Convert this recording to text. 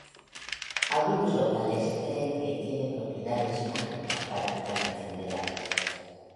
Algunos locales creen que tiene propiedades mágicas para curar enfermedades.